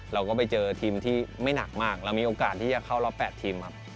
เราก็ไปเจอทีมที่ไม่หนักมากเรามีโอกาสที่จะเข้ารอบ๘ทีมครับ